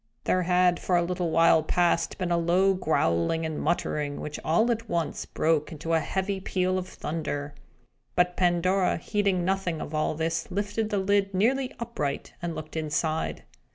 There had for a little while past been a low growling and muttering, which all at once broke into a heavy peal of thunder. But Pandora, heeding nothing of all this, lifted the lid nearly upright, and looked inside.